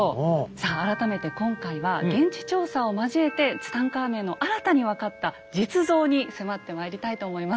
さあ改めて今回は現地調査を交えてツタンカーメンの新たに分かった実像に迫ってまいりたいと思います。